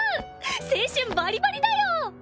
青春バリバリだよ。